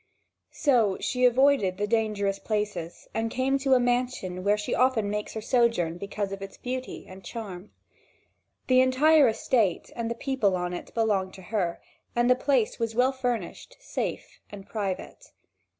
So she avoided the dangerous places and came to a mansion where she often makes her sojourn because of its beauty and charm. The entire estate and the people on it belonged to her, and the place was well furnished, safe, and private.